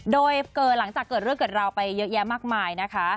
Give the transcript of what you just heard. โดยหลังจากเกิดเรื่องเกิดราวไปเยอะแยะมากมายนะคะ